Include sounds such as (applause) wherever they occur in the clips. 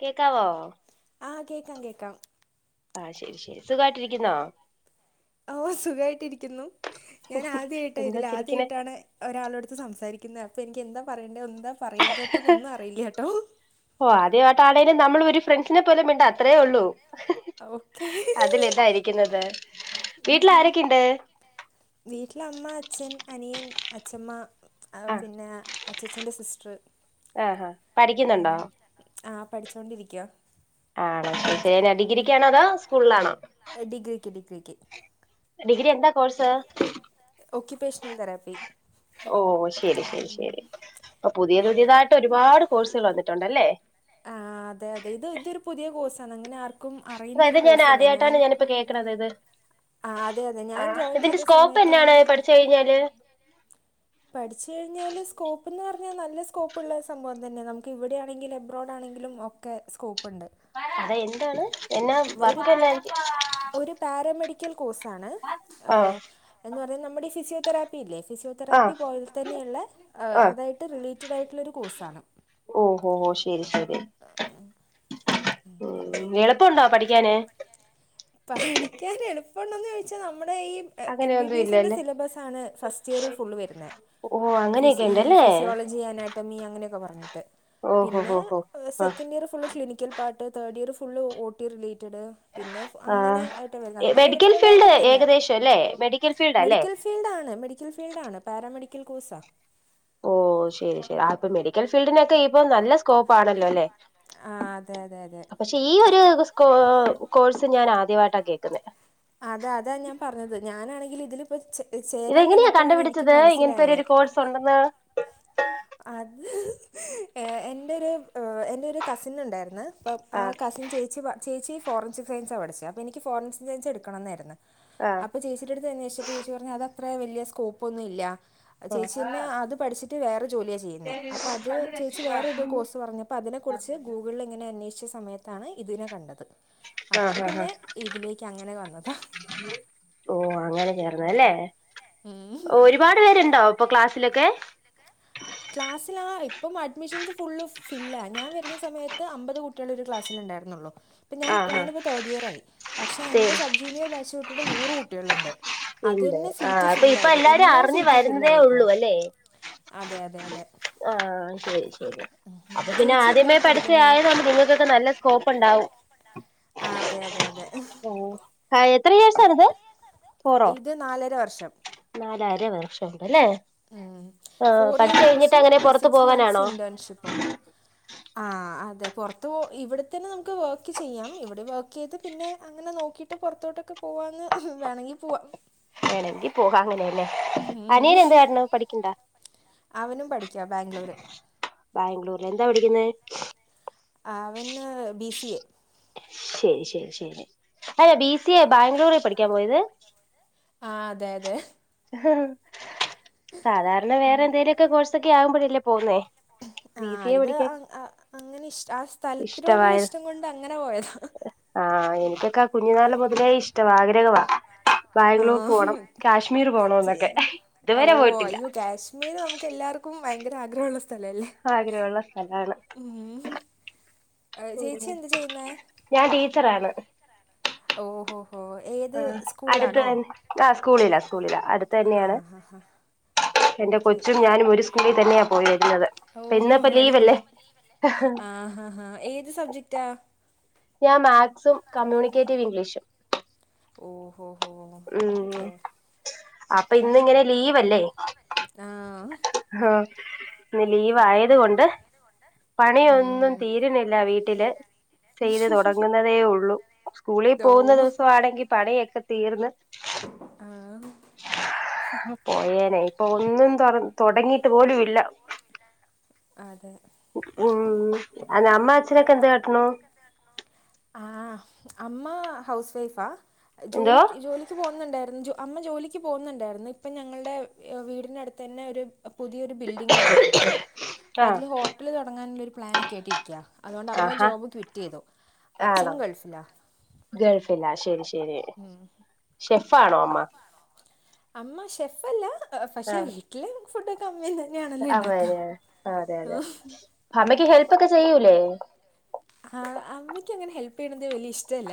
കേക്കാവോ ആഹ് കേക്കാം കേക്കാം ആഹ ശരി ശരി സുഖാ യിട്ടിരിക്കുന്നോ സുഖായിട്ടിരിക്കുന്നു ഞാൻ ആദ്യായിട്ട എന്താ ഇതിൽ ചിരിക്കണെ ആദ്യയിട്ടാണ് ഒരാളോടുത്ത് സംസാരിക്കുന്ന അപ്പ എൻക്ക് എന്താ പറയേണ്ട ഓ ആദ്യമായിട്ടാണെലും നമ്മള് ഒരു ഫ്രണ്ട്സിനെ പോലെ മിണ്ടാത്ത അത്രേ ഉള്ളൂ ഓക്കെ അതില് എന്തായിരിക്കുന്നത്. വീട്ടിൽ ആരൊക്കെ ഇണ്ട് വീട്ടിൽ അമ്മ അച്ഛൻ അനിയൻ അച്ചമ്മ പിന്നെ അച്ചച്ചൻ്റെ സിസ്റ്റർ ആഹ ആഹ അങ്ങനെ ആ പഠിച്ചോണ്ടിരിക്ക ആണോ ശരി ഡിഗ്രിക്കാണോ അതോ സ്കൂൾലാണോ ഡഗ്രിക്ക് ഡഗ്രിക്ക് ഡിഗ്രി എന്താ കോഴ്സ് ഓക്കയുപേഷണൽ തെറാപ്പി ഓ ശരി ശരി ശരി അപ്പൊ പുതിയ പുതിയതായിട്ട് ഒരുപാട് കോഴ്സുകൾ വന്നിട്ടുണ്ടല്ലേ ആ അതെ അതെ ഇത് ഇതൊരു പുതിയ കോഴ്സണ് അങ്ങനെ ആർക്കും അത ഇത് അറിയുന്നൊരു ഞാൻ കോഴ്സല്ല ആദ്യയിട്ടാണ് ഞാനിപ്പോ ഞാനിപ്പം കേൾക്കണത് ഇത് ആ അതെ അതെ ആ ഞാൻ ജോയിൻ ഇതിന്റെ ചെയ്ത സ്കോപ്പ് എന്നാണ് സമയത്താണ് പഠിച്ച് കഴിഞ്ഞാല് പഠിച്ചു കഴിഞ്ഞാല് സ്കോപ്പ് ന്ന് പറഞ്ഞാൽ നല്ല സ്കോപ്പുള്ള സംം തന്നെ നമുക്ക് ഇവിടെണങ്കിൽ അബ്രോഡ് ആണെങ്കിലും ഒക്കെ സ്കോപ്പുണ്ട് അതാ എന്താണ് എന്നാ ഒരു വർക്കെന്നാ എൻക്ക് ഒരു പാരാമെഡിക്കൽ കോഴ്സാണ് ഹ് എന്ന് പറയുന്നത് നമ്മുടെഈ ഫിസിയോതെറാപ്പി ഇല്ലേ ഫിസിയോതെറാപ്പി ആ പോലെ തന്നെയുള്ള ആഹ് അതായിട്ട് റിലേറ്റഡ് ആയിട്ടുള്ളൊരു കോഴ്സാണ്. ഓഹോ ഹോ ശരി ശരി ഉ എളുപ്പണ്ടോ പഠി ക്കാന് പ്പോണ്ടെന്ന് ചോയിച്ചാ നമ്മുടെ ഈ എം അങ്ങനെ ബി ഒന്നും ബി എസിൻ്ന്റെ ഇല്ലല്ലേ സിലബസ ആണ് ഫസ്റ്റ് ഇയർ ഫുള്ള് വരുന്ന ഓ അങ്ങനെയൊക്കെ ഫിസി ഈ ഉണ്ടല്ലേ ഫിസിയോളജി അനാറ്റമി അങ്ങനെയൊക്കെ പറഞ്ഞു ഓഹോ പിന്നെ ഹോ ഹോ ആഹ് second year full clinical part third year ഫു ഫുള്ള് ഓ ടി റിലേറ്റഡ് പിന്നെ അങ്ങനെ ആഹ് ആട്ട് അത്ര മെഡിക്കൽ ഫീൽഡ് എളുപ്പമുള്ളൊന്നല്ല ഏകദേശം അല്ലേ മെഡിക്കൽ ഫീൽഡ് അല്ലേ മെഡിക്കൽ ഫീൽഡ് ആണ്. മെഡിക്കൽ ഫീൽഡ ആണ് പാരാമെഡിക്കൽ കോഴ്സാ ഓ ശരി ശരി ആ ഇപ്പ മെഡിക്കൽ ഫീൽഡിനൊക്കെ ഇപ്പൊ നല്ല സ്കോപ്പ് ആണല്ലോ അല്ലെ ആ അതെ അതെ അതെ പക്ഷെ ഈ ഒരു സ്ക കോഴ്സ് ഞാൻ ആദ്യമായിട്ടാണ് കേക്കുന്ന പത് അതെ അതാ ഞാൻ പറഞ്ഞത് ഞാനാണെങ്കിൽ ഇതിലിപ്പ ചേരാൻ ഇതെങ്ങനെയാ നിന്നപ്പോഴാണ് എനിക്ക് കണ്ടുപിടിച്ചത് ഇങ്ങനത്തെ മനസ്സിലായത് ഒരു കോഴ്സ് ഉണ്ടെന്ന് അത് എന്റെ ഒരു എന്റെ ഒരു കസിൻ ഉണ്ടായിരുന്നു അപ്പ ആ ആഹ് കസിൻ ചേച്ചി ചേച്ചി ഫോറൻസിക് സൻസ്ണ് പിച്ചത് അപ്പോൾ എനി ഫോറൻസിക് സയൻ എടുക്കണമെന്നായിരുന്നു ആഹ് അപ്പൊ ചേച്ചിട്ട അടുത്ത് അന്വേഷിച്ചപ്പോ ചേച്ചി പറഞ്ഞ അത് അത്ര വല്ിയ സ്കോപ്പ് ഒന്നും ഇല്ല ചേച്ചിന്നെ അത് പഠിച്ചിട്ട് വേറെ ജോലിയാ ചെയ്യുന്നത് അപ്പൊ അത് ചേച്ചച്ച് വേറൊരു കോഴ്സ് പറഞ്ഞപ്പോ അതിനെ കുുറിച്ച് ഗൂഗിളിൽ ഇങ്ങനെ അന്വേഷിച്ച സമയത്ത് ത്താണ് ഇതിനെ കണ്ടത് അപ്പോൾ ആഹ് ആഹ് ആഹ് പിന്നെ ഇതിലേക്ക് അങ്ങനെ വന്ന ഓ അങ്ങനെ ചേർന്നല്ലേ ഒരുപാട് പേരുണ്ടാവും ഇപ്പൊ ക്ലാസ്സിലൊക്കെ ക്ലാസ്സൽ ആ ഇപ്പം അഡ്മിഷൻസ് ഫുള് ഫില്ല ഞാ വരുന്ന സമയത്ത് അമ്പത് കുട്ടികൾ ഒരു ക്ലാസ്സിലുണ്ട് ഉണ്ടായിരുന്നള്ളോ ഇപ്പം ഞാൻ ആഹ് ആഹ് ഞാനിപ്പോൾ തേർഡ് ഇയർ ആയി പക്ഷെ എൻ്റെ സബ് ജൂനിയർ ബാ് വിട്ടിട്ട് നൂറ് കുട്ടികളുണ്ട് അത് ഉണ്ട് തന്നെ ആ സീറ്റ് അപ്പൊ ഇപ്പ ഫില്ലായത് എല്ലാരും എന്നോ അറിഞ്ഞു സീറ്റ് വരുന്നതേ ഫില്ലായേക്കുവാ ഉള്ളൂ അല്ലേ അതെ അതെ അതെ ആഹ ശരി ശരി അപ്പ പിന്നെ ചേച്ചി എന്താ ആദ്യമേ പഠിച്ച പഠിക്കുന്നത് ആായത് നമ്മ നിങ്ങൾക്കൊക്കെ നല്ല സ്കോപ്പ് ഉണ്ടാവും അതെ അതെ അതെ എത്ര േഴ്സാണിത് ഫോറോ ഇത് നാലര വർഷം നാലര വർഷം ല്ലേ ആ ഫോർ പഠ ഇയർ കഴിഞ്ഞിട്ട് കോഴ്സും അങ്ങനെ പുറത്ത സിക്സ് മന്ത്സ് പോവാനാണോ ഇൻറ്റേൺഷിപ്പും ആ അതെ പുറത്ത് പോ ഇവിടെ തന്നെ നമുക്ക് വർക്ക് ചെയ്യാം ഇവിടെ വർക്ക് ചെയ്ത് പിന്നെ അങ്ങനെ നോക്കിട്ട് ട്ട് പുറത്തോട്ടൊക്കെ പോവാന്ന് വേണെങ്കി പോവാം ഞാൻ എന്തി പോക അങ്ങനെയല്ലേ അനന എന്ത് കാരണം പഠിക്കണ്ട അവനും പഠിക്കുക ബാംഗ്ലൂർ ബാംഗൂ എന്താ പഠിക്കുന്നത് അവന് ബി സി എ ശരി ശരി ശരി അാ ബി സി ബാംഗ്ലൂരിൽ പഠിക്കാൻ പോയത് ആ അതെ അതെ സാധാരണ വേറെ എന്തെലുമൊക്കെ കോഴ്സൊക്കെ ആകുമ്പോഴല്ലേ പോുന്നേ ആഹ ഇത് അങ്ങനെ ഇഷ ആ സ്ഥലത്തിനോടുള്ള ഇഷ്ടമായത് ഇഷ്ടം കൊണ്ട് അങ്ങനെ പോയതോ ആഹ് എനിക്കൊക്കെ കുഞ്ഞിനാാല മുതലേ ഇഷ്ടവാ ആഗ്രഹവാ ആ ബാംഗ്ലൂർക്ക് പോകണം കാഷ് ഓ അയ്യോ കാശ്മീര് നമുക്ക് എല്ലാർക്കും ഭയങ്കര ആഗ്രഹമ ഉള്ള ആഗ്രഹമുള്ള സ്ഥലാണ് ഉം. ഏ, ചേച്ചി എന്ത് ചെയ്യുന്നേ ഞാൻ ടീച്ചറാണ് ഓഹോ ഹോ ആ ഏത് അടുത്ത സ്കൂളിലാണോ തന്നെ ആ സ്കൂളില സ്കൂളില അടുത്ത ആ തന്നെയാണ് ഹാ ഹാ എന്റെ ഓക്കെ കൊച്ചും ഞാനും ഒരു സ്കൂളിൽ തന്നെയാ പോയി വരുന്നത് അപ്പ ഇന്നപ്പോ ലീവല്ലേ ആഹഹാഹാ ഏത് സബ്ജക്റ്റാ ഞാൻ മാത്സും കമ്മ്യൂണിക്കേറ്റീവ് ഇംഗ്ലീഷും ഓഹോ ഹോ അക്ക ഉം അപ്പൊ ഇന്നിങ്ങനെ ലീവല്ലേ ആ ആ ഇ ലീവ്യത് കൊണ്ട് ഉം. പണിയൊന്നും തീരുന്നില്ല വീട്ടില് ചെയ്ത് തുടങ്ങുന്നതേ ഉള്ളൂ സ്കൂളിൽ ഓ പോകുന്ന ദിവസംമാണെങ്കിൽ പണിയൊക്കെ തീർന്ന് ആ പോയേനെ ഇപ്പൊ ഒന്നും തുടങ്ങിട്ട് പോലും ഇല്ല അതെ ഉം അ അമ്മ അച്ഛനൊക്കെ എന്ത കട്ടണു ആ അമ്മ ഹൗസ് വൈഫാ എന്തോ ജോലിക്ക് ജോലിക്ക് പോകുന്നുണ്ടേ അമ്മ ജോലിക്ക് പോകുന്നുണ്ടായിരുന്നു ഇപ്പം ഞങ്ങളുടെ വീടിൻ് അടുത്ത് തന്നെ ഒരു പുതിയൊരു ബിൽഡിംഗ് ഉണ്ടാക്കിയിട്ടുണ്ട് അപ്പൊ ആഹ് അതില് ഹോട്ടല് തുടങ്ങാനുള്ളരു പ്ലൻൊക്കെ ആയിട്ടി ഇരിക്ക അതുകൊണ്ട് അമ്മ ആഹാ ജോബ് ട്വിറ്റ് ചെയ്തു അച്ഛൻ ആണോ ഗൾഫിലാണ് ഗൾഫില്ലാ ശരി ശരിെ ഫാണോ അമ്മ അമ്മ ഷെഫ്ല്ല പക്ഷെ വീട്ടിലെ ഫുഡൊക്കെ അമ്മ ആ അത അതെ അമ്മയ്ക്ക് ഹെൽപ് ഒക്കെ ചെയ്യൂലേ ആ അമ്മക്ക് അങ്ങനെ ഹെല്പ് ചെയ്യണത് വലിയ ഇഷ്ടമല്ല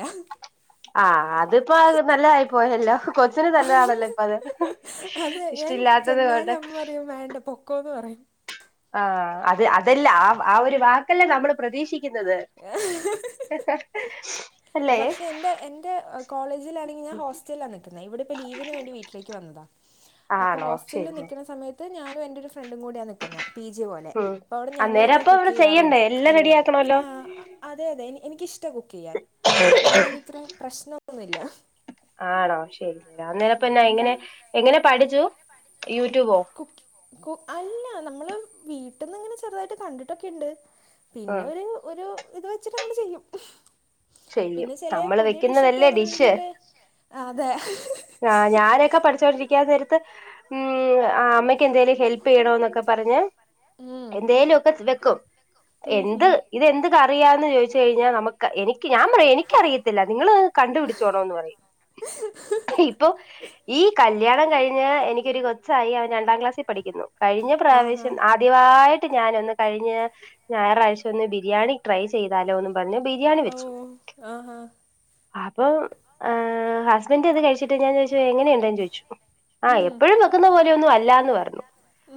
ആഅത്പ്പോക നല്ലതായി പോയല്ലോ കൊച്ചിനന് നല്ലതാണല്ലോ ഇപ്പൊ അത് അതെ ഇഷ്ട ഞാൻ ഇല്ലാത്തത് ചെന്നാലും കൊണ്ട് അമ്മ പറയും വേണ്ട പൊക്കോ എന്ന് പറയും ആ അത് അതെല്ല ആ ആ ഒരു വാക്കെല്ലാം നമ്മള് പ്രതീക്ഷിക്ക ുന്നത് പക്ഷെ എന്റെ എന്റെ കോളേജിൽാണെങ്കിൽ ഞാൻ ഹോസ്റ്റലിലാ നിിക്കുന്ന ഇവിടെ ഇപ്പ ലീവിന് വേണ്ടി വീട്ടിലേക്ക് വന്നതാ അപ്പൊ ആണോ ഹോസ്റ്റലിൽ ശരി നിക്കുന്ന സമയത്ത് ഞാനും എന്റെ ഒരു ഫ്രണ്ടും കൂടിയാണ് നക്കുന്ന പീ ജെ പോലെ ഉം അപ്പോ അവിടെ ഞങ്ങള അന്നേരം ഞാൻ അപ്പൊ കുക്ക് അവിടെ ചെയ്യാറും ചെയ്യണ്ടേ റെഡി എല്ലാം ആക്കണല്ലോ ആ അതെ അതെനി എനിക്കിഷ്ട കുക്ക് ചെയ്യാൻ അതൊണ്ടത് ഇത്രയും പ്രശ്നംൊന്നുമില്ല ആണോ ശരി ശരി അന്നേിലപ്പ എന്നാ എങ്ങനെ എങ്ങനെ പഠിച്ചു യൂട്യൂബോ കു കു അല്ല നമ്മള് വീട്ടന്ന് ഇങ്ങനെ ചെറുതായിട്ട് കണ്ടിട്ടൊക്കെുണ്ട് പിന്നെ ആഹ് ഒരു ഒരു ഇത് വെച്ചിട്ട അങ്ങൾ ചെയ്യും ചെയ്യും പിന്നെ ചില നമ്മള് പുതിയ ഡിഷൊക്കെ വെക്കുന്നതല്ലേ ഡിഷ് ആണെന്നെങ്കിൽ അതെ ആഞാനൊക്കെ പഠിച്ചൊണ്ടിരിക്കാ നേരത്ത് ഉം അമ്മക്ക് എന്തേലും ഹെൽപ് ചെയ്യണോ എന്നൊക്കെ പറഞ്ഞ് ഉം എന്തേലും ഒക്കെ വെക്കും ഉം എന്ത് ഉം ഇതെന്ത്‌ ക റിയാന്ന് ചോദിച്ചു കഴിഞ്ഞാൽ നമുക്ക് എനിക്ക് ഞാൻ പറയാ എനിക്കറിയത്തില്ല നിങ്ങള് കണ്ടുപിടിച്ചോണോന്ന് പറയും വെച്ചോളൂന്ന് ഇപ്പൊ ഈ കല്യാണ കഴിഞ്ഞഞ് എനിക്കൊരു കൊച്ചായി അവൻ രണ്ടാം ക്ലാസ്സിൽ പഠിക്കുന്നു കഴിഞ്ഞ പറയും പ്രാവശ്യം കഴിഞ്ഞ ആദ്യമായിട്ട് ്ഞാനൊന്ന് കഴിഞ് ഞായറാഴ്ച ഒന്ന് ബിരിയാണി ട്രൈ ചെയ്താലോ എന്ന് പറഞ്ഞ് ബിരിയാണി വെച്ചു ആ അപ്പം ഹസ്ബൻഡറ് അത് കഴിച്ചിട്ട് ഞാൻ ചോദിച്ചു എങ്ങനെയുണ്ടന്ന് ചോദിച്ചു ആഹ ഉം എപ്പോഴും വെക്കുന്ന പോലെയ ഒന്നും അല്ല എന്ന് പറഞ്ഞു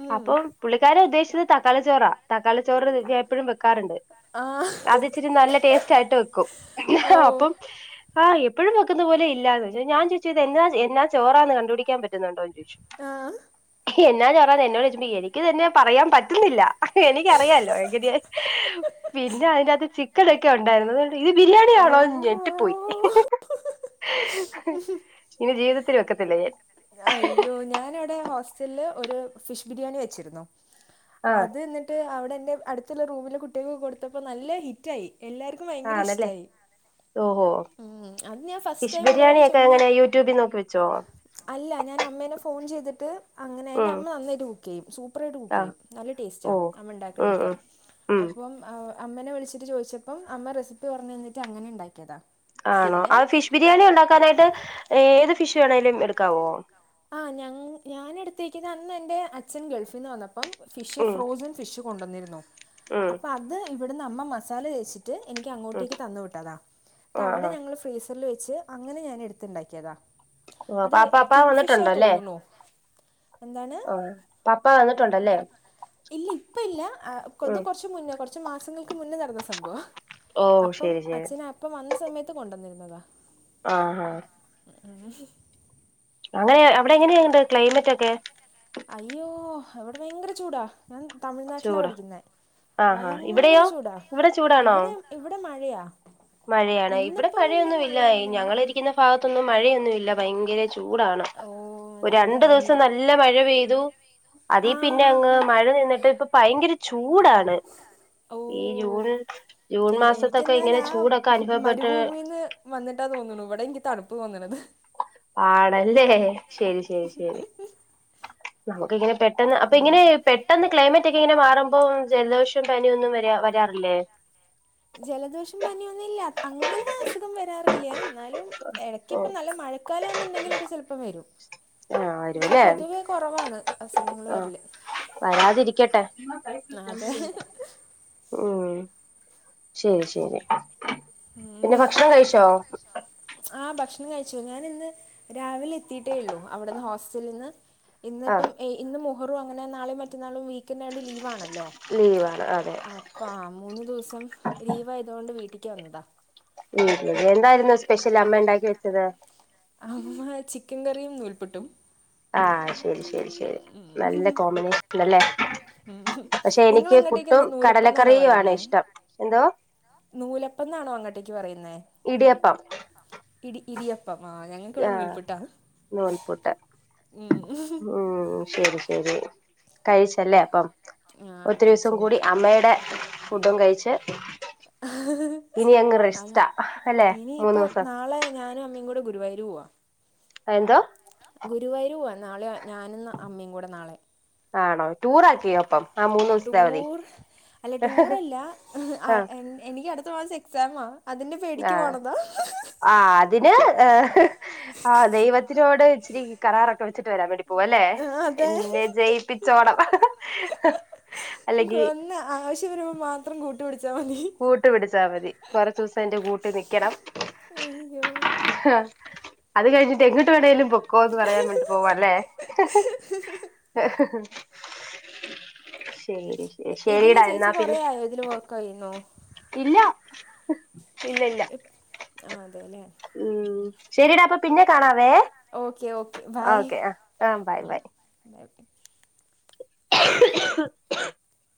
ഉം അപ്പം പുള്ളിക്കാരെ ഉദ്ദേശിച്ച തക്കളി ചോറ തക്കാളി ചോറ്ഞ എപ്പോഴും വെക്കാറുണ്ട് ആഹ് അത് ഇച്ചിരി നല്ല ടേസ്റ്റ് ആയിട്ട് വെക്കും ആ ഓ അപ്പം ആ എപ്പോഴുംെക്കുന്ന പോല ഇല്ലാന്ന് ഞാൻ ചോിച്ചത് എന്നാ എന്നാ ചോറാന്ന് കണ്ടപിടാൻ പറ്റും ണ്ടോ ചോദിച്ച ആഹ് എന്നാ ചോറ എന്നോട് ചച്ച എനിക്ക് തന്നെ പറയാൻ പറ്റുന്നില്ല എനിക്കറിയാലോ എ പിന്നെ അതിനകത്ത് ചിക്കൻ ഒക്കെ ഉണ്ടായിരുന്നു അണ്ട് ഇത് ബിരിയാണിാണോന്ന് ഞിട്ട് പോയി ഓ ഇനി ജീവിതത്തി വെക്കത്തില്ല ഞാൻ അയ്യോ ഞാനവിടെ ഹോസ്റ്റലില് ഒരു ഫിഷ് ബിരിയാണി വെച്ചിുന്ന ആഹ് അത് എന്നിട്ട് അവിടെ എൻറെ അടുത്തുള്ള റൂമിലെ കുട്ടികൾക്ക് കൊടുത്തപ്പോ നല്ല ഹിറ്റ ആയി എല്ലാർക്കും ഭയങ്കര ഇഷ്ടായി ഓ ഫിഷ് ബിരിയാണിയ ഒക്കെ ചുമ്മാ അങ്ങനെ യൂട്യൂബിൽ നോക്കി വെച്ചോ അല്ല ഞാൻ അമ്മേനെ ഫോൺ ചെയ്തിട്ട് അങ്ങനെ എന്റെ ഉം അമ്മ നന്നായിട്ട് കുക്ക് ചെയ്യും സൂപ്പർായിട്ട് കുക്ക് ആഹ് ചെയ്യും നല്ല ടേസ്റ്റാ ഓഹ് അമ്മ ഉണ്ടാക്കണ ഉം ഒക്കെ ഉം ഉം അപ്പം അമ്മനെ വിളിച്ചിട്ട് ചോദിച്ചപ്പം അമ്മ റെസിപ്പി പറഞ്ഞു നിന്നിട്ട് അങ്ങനെ ഉണ്ടാക്കിയതാ ആണോ അത് ഫിഷ് ബിരിയാണി ഉണ്ടാക്കാനായിട്ട് ഏത് ഫിഷ ആഞ ഞാന എടുത്തേക്ക് അന്ന് എൻന്റെ അച്ഛൻ ഗൾഫിൽന്ന് വന്നപ്പം ഫിഷ് ഉം ഫ്രോസൺ ഫിഷ് കൊണ്ടു വന്നിരുന്നു ഉം അപ്പൊ അത് ഇവിടുന്ന് അമ്മ മസാല തേച്ചിട്ട് എനിക്ക് ഉം അങ്ങോട്ടേക്ക് തന്ന് വിട്ടതാ എന്നിട്ട് ആ അവിടെ ആ ഞങ്ങൾ ഫ്രീ വെച്ച് അങ്ങനെ ഞാൻ എടുത്തുണ്ടാക്കിയതാ ഓ അത് പാപ്പാ അപ്പാ കിങ് ഫിഷാ വന്നിട്ടുണ്ടല്ലേ തോന്നുന്നു എന്താണ് ആ പപ്പ വന്നിട്ടുണ്ടല്ലേ ഇല്ല ഇപ്പ ഇല്ല ആഹ് കൊത് ഉം കുറച്ച് മുന്നേ കുറച്ച് കുറച്ചു മാസങ്ങൾക്ക് മുന്നേ നടന്ന സംഭവം ഓ അപ്പം ശരി ശരി അച്ഛനെ അപ്പം വന്ന സമയത്ത് കൊണ്ടന്നിരുന്നു എന്നത ആഹ് ആഹ് ആഹ് അത് അവിടെ എങ്ങനെയുണ്ട് ക്ലൈമറ്റ് ഒക്കെ അയ്യോ അവിടെ ഭയങ്കര ചൂടാ ഞാൻ തമിഴ്നാട്ടിലാണ് ചൂട് പഠിക്കുന്നത് ആ ആ ഭയങ്കര ഇവിടെയോ ചൂടാ ഇവിടെ ചൂടാണോ ഇവിടെയും ഇവിടെ മഴയാാണ് മഴയാണ് ഇവിടെ മഴയൊന്നുമില്ല മഴയില്ല ഞങ്ങള് ഇരിക്കുന്ന ഭാഗത്തൊന്നും മഴയൊന്നുമില്ല ഭയങ്കര ചൂടാണ് ഓ ഒരു അതെല്ലേ രണ്ടു ദിവസം എനിക്ക് നല്ല മഴ പെയ്തു അത ആ പിന്നെ ഹാ അങ്ങ് ഹാ മഴ നിന്നിട്ട് ഇപ്പൊ ഭയങ്കര ചൂടാണ് ഓ ഈ ജൂൺ ജൂൺ മാസത്തൊക്കെ ഇങ്ങനെ ചൂടൊക്കെ അനുഭവപ്പെട്ട് മരുഭൂമിന്ന് വന്നിട്ടാ തോന്നുന്നു ഇവിടെ എനിക്ക് തണുപ്പ് തോന്നണത് ആണല്ലേ ശരി ശരി ശരി നമുക്ക് ഇങ്ങനെ പെട്ടെന്ന് അപ്പൊ ഇങ്ങനെ പെട്ടെന്ന് ക്ലൈമറ്റ് ഒക്കെ ഇങ്ങനെ മാറുമ്പ ഇപ്പോ ജലദോഷം പനിയൊന്നും വരാ വരാറില്ലേ ജലദോഷം പനിയൊന്നുംല്ല അങ്ങനെ അസുഖം വരാറില്ല എന്നാലും ഇടക്ക ഓ ഇപ്പോ നല്ല മഴ മഴക്കാലം ഒന്നുണ്ടെങ്കിലൊക്കെ ചിലപ്പം വരും ആഹ് പക്ഷെ ആരുമില്ലേ പൊതുവേ കുറവാണ് അസുഖങ്ങൾ ആ വരല് വരാതിരിക്കട്ടെ അതെ ഓ ശരി ശരി ഉ ഭക്ഷണം കഴിച്ചോ ആ ഭക്ഷണം കഴിച്ചു ഞാൻ രാവിലെ എത്തിട്ടേള്ളൂ അവിടുന്ന് ഹോസ്റ്റലിന്ന് ഇന്നപ്പ ആഹ് ഇന്ന് ബ്രോ അങ്ങനെ നാളെയും മറ്റന്നാളും വി കൊണ്ട് ലീവാണല്ലോ ലീവാണ് അതെ അപ്പൊ ആ മൂന്ന് ദിവസം ലീവായതു കൊണ്ട് വീട്ടിക്ക് ഉ എന്തായിരുന്നു സ്പെഷ്യൽ അമ്മ ഉണ്ടാക്കി വെച്ചത് അമ്മ ചിക്കൻ കറിയും നൂൽപുട്ടും ആഹ് ശരി ശരി ശരി നല്ല കോമ്പിനേഷനുണ്ടല്ലേ പക്ഷെ നിങ്ങൾ എനിക്ക് അങ്ങോട്ടേക്ക് പുട്ടും എന്താ നൂലപ്പം എന്നാണോ കടലക്കറിയുമാണ് പറയുന്നേ ഇഷ്ടം എന്തോ നൂലപ്പം എന്നാണോ അങ്ങോട്ടേക്ക് പറയുന്നത് ഇടിയപ്പം ഇടി ഇടിയപ്പ് ആഹ നൂൽപുട്ട് ഉം ഉം ശരി ശരി കഴിച്ചല്ലേ അപ്പം ആ ഒത്തിരി കഴിച്ചു ദിവസം കൂടി കഴിച്ചു അമ്മയുടെ ഫുഡും കഴിച്ച് ഇനി അങ്ങ് അന്ന് റെസ്റ്റാ അല്ലെ മൂന്ന് ദിവസം ടെ ഗുരുവായൂർ പോവുവ എന്തോ ഗുരുവായൂ പോവുവ നാളെ ഞാനും അമ്മയും കൂടെ നാളെ ആണോ ടൂർ ആക്കിയോ അപ്പം ആ മൂന്ന് ദിവസത്തെ അവധി ടൂർ അല്ല ടൂർ അല്ല ആഹ് എനിക്ക് അടുത്ത മാസം എക്സാം ആ ആഹ ആ അതിന് ഏ ആഹ ദൈവത്തിനോട് ഇച്ചിരി കരാറൊക്കെ വെച്ചിട്ട് വരാൻ വേണ്ടി പോവും അല്ലേ ആഹ് അതെ എന്നെ ജയിപ്പിച്ചോണം അല്ലെങ്കി എത്ര കൂട്ടപിടി കൂട്ടു പിടിച്ചാൽ മതി കൊറ ദിവസം എന്റെ കൂട്ടിൽ നൽക്കണം അ്യോ അത് കഴിഞ്ഞിട്ട് എങ്ങിട്ട് വേണേങ്കലും പൊക്കും ക്കോത് പറയാൻ മട്ട് പോവല്ലേ ശരി ഇതില് ശരിടാ എന്നാ ചേച്ചി കൊറേ പിന്നെ ആയോ ഇതില് വർക്ക്യുന്നോ ഇല്ല ഇല്ല ഇല്ല ആഹ് അതെല്ലേ ഉ ശരിടാ അപ്പൊ പിന്നെ കാണാ ഓക്കെ ഓക്കെ ബൈ ആ ബൈ ബൈ (inaudible)